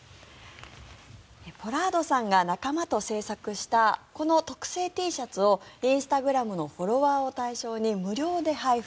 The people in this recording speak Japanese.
ポラードさんが仲間と製作したこの特製Ｔシャツをインスタグラムのフォロワーを対象に無料で配布。